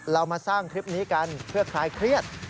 เรามาสร้างคลิปนี้กันเพื่อคลายเครียด